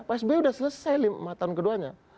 pak sbi udah selesai lima tahun keduanya